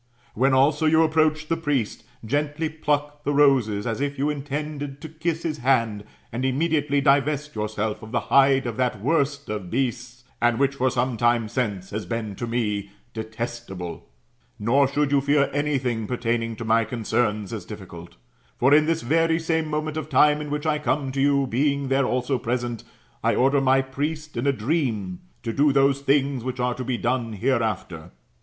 When also you approhch the priest, gently pluck the roses, as if you intended to kiss his hand, and immediately divest yourself of the hide of that worst of beasts, and which for some time since has been to me detestable Nor should you fear any thing pertaining to my concerns as diflUcult, For in this very same moment of time in which I come to you, being there also present,' I order my priest in a dream to do those things which are to be done hereafter.